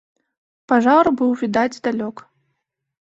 Пажар быў відаць здалёк.